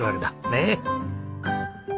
ねえ。